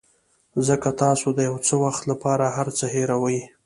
ځکه تاسو د یو څه وخت لپاره هر څه هیروئ.